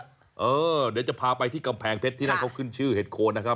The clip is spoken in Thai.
เดี๋ยวจะพาไปที่กำแพงเพชรที่นั่นเขาขึ้นชื่อเห็ดโคนนะครับ